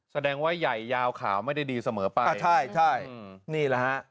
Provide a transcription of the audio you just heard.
แสดงว่าใหญ่ยาวขาวไม่ได้ดีเสมอไปใช่ใช่นี่แหละฮะ